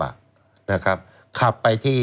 คุณนิวจดไว้หมื่นบาทต่อเดือนมีค่าเสี่ยงให้ด้วย